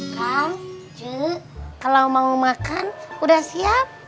kak jek kalau mau makan udah siap